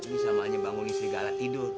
ini sama aja bangun istri galak tidur